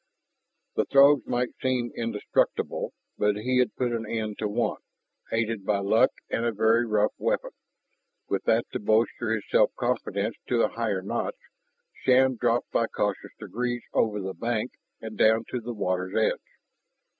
The Throgs might seem indestructible, but he had put an end to one, aided by luck and a very rough weapon. With that to bolster his self confidence to a higher notch, Shann dropped by cautious degrees over the bank and down to the water's edge.